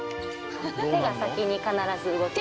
手が先に必ず動く。